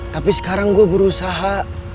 tapi sekarang gue berusaha